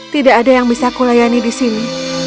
tidak ada yang bisa kulayani di sini